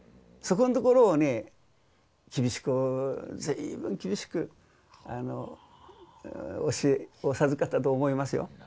そこんところをね厳しく随分厳しく教えを授かったと思いますよ。